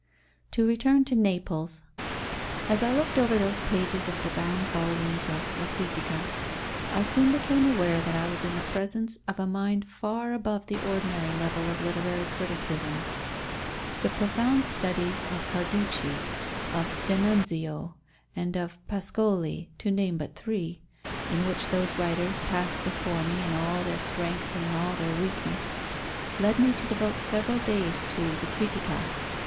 To return to Naples. As I looked over those pages of the bound volumes of La Critica. I soon became aware that I was in the presence of a mind far above the ordinary level of literary criticism. The profound studies of Carducci, of d'Annunzio, and of Pascoli (to name but three), in which those writers passed before me in all their strength and in all their weakness, led me to devote several days to the Critica.